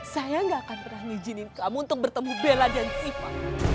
saya gak akan pernah ngizinin kamu untuk bertemu bella dan sipa